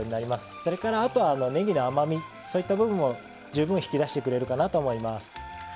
それからあとはねぎの甘みそういった部分を十分引き出してくれるかなと思います。